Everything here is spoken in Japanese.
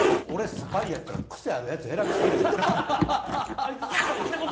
俺、スパイやったら癖あるやつ選びすぎでしょ。